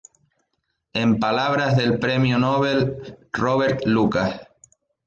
En palabras del premio Nobel Robert Lucas.